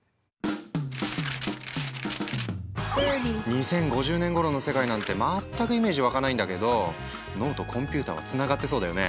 ２０５０年ごろの世界なんて全くイメージ湧かないんだけど脳とコンピューターはつながってそうだよね？